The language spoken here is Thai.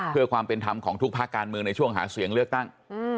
เพื่อความเป็นธรรมของทุกภาคการเมืองในช่วงหาเสียงเลือกตั้ง